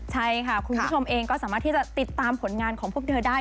ใช่ค่ะคุณผู้ชมเองก็สามารถที่จะติดตามผลงานของพวกเธอได้